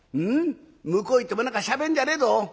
向こう行っても何かしゃべんじゃねえぞ。